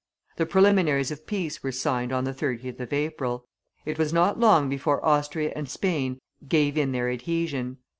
The preliminaries of peace were signed on the 30th of April; it was not long before Austria and Spain gave in their adhesion.